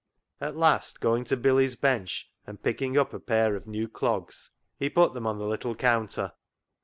At last going to Billy's bench and picking up a pair of new clogs, he put them on the little counter.